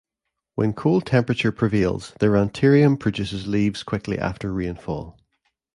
When cold temperature prevails the Rhanterium produces leaves quickly after rainfall.